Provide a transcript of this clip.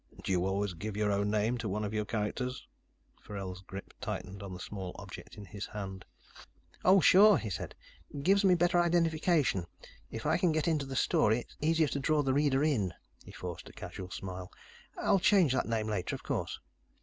"Do you always give your own name to one of your characters?" Forell's grip tightened on the small object in his hand. "Oh, sure," he said. "Gives me a better identification. If I can get into the story, it's easier to draw the reader in." He forced a casual smile. "I'll change that name later, of course."